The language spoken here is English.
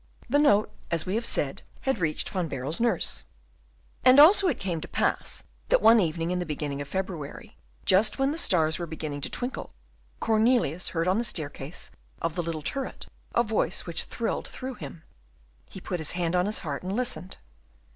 The note, as we have said, had reached Van Baerle's nurse. And also it came to pass, that one evening in the beginning of February, just when the stars were beginning to twinkle, Cornelius heard on the staircase of the little turret a voice which thrilled through him. He put his hand on his heart, and listened.